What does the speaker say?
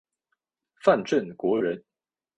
范正国人。